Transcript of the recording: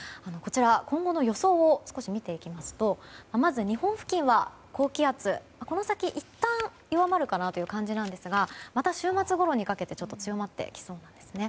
今後の予想を見ていきますとまず日本付近は高気圧この先、いったん弱まるかなという感じなんですがまた週末ごろにかけてちょっと強まってきそうなんです。